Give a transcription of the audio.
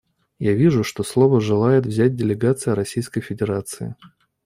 Я вижу, что слово желает взять делегация Российской Федерации.